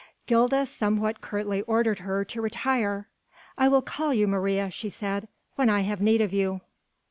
Gilda somewhat curtly ordered her to retire. "I will call you, Maria," she said, "when I have need of you."